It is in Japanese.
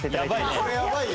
「それやばいよ」